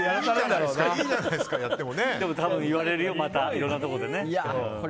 でも、多分言われるよまたいろんなところで。